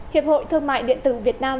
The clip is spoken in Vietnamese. hiệp hội thương mại điện tử việt nam